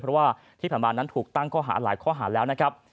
เพราะว่าที่ผ่านมานั้นถูกตั้งข้อหาหลายข้อหาแล้วนะครับ